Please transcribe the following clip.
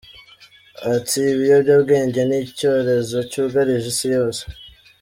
Ati “Ibiyobyabwenge ni icyorezo cyugarije isi yose.